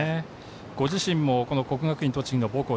ご自身も国学院栃木が母校。